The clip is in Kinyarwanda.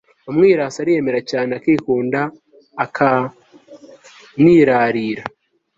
umwirasi ariyemera cyane, akikunda, akanirarira